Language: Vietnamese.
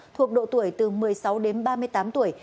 thuộc độ tuổi từ một mươi sáu đến ba mươi tám tuổi